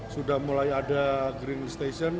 sudah mulai ada green station